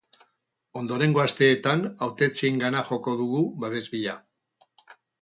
Ondorengo asteetan hautetsiengana joko dugu babes bila.